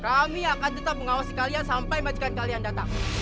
kami akan tetap mengawasi kalian sampai majikan kalian datang